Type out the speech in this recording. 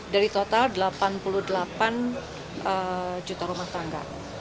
dari total delapan puluh delapan juta rumah tangga